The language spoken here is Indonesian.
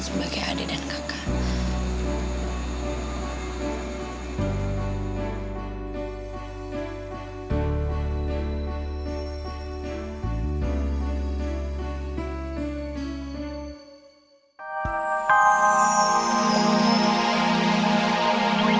sebagai adik dan kakak